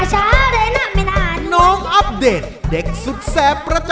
ไม่ได้กลัวใช่มั้ยครับที่จะได้แข่งกับเพื่อนเดียวเองครับผม